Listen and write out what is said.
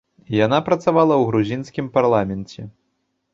Яна працавала ў грузінскім парламенце.